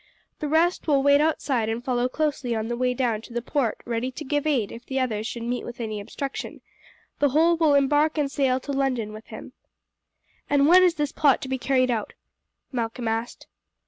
The rest will wait outside and follow closely on the way down to the port ready to give aid if the others should meet with any obstruction. The whole will embark and sail to London with him." "And when is this plot to be carried out?" Malcolm asked.